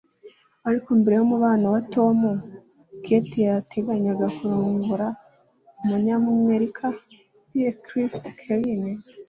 Ariko, mbere yumubano we na Tom, Katie yateganyaga kurongora umunyamerika Pie Chris Klein.